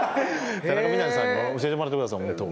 田中みな実さんに教えてもらってくださいホント。